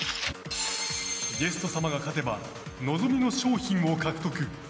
ゲスト様が勝てば望みの商品を獲得。